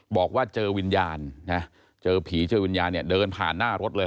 บอกว่าเจอวิญญาณนะเจอผีเจอวิญญาณเนี่ยเดินผ่านหน้ารถเลย